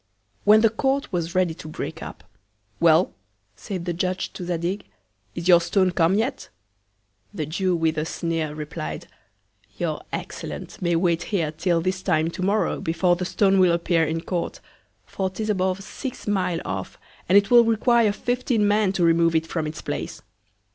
When the Court was ready to break up, Well! said the Judge to Zadig, is your Stone come yet? The Jew, with a Sneer, replied, your Excellence may wait here till this Time To morrow, before the Stone will appear in Court; for 'tis above six Mile off, and it will require fifteen Men to remove it from its Place.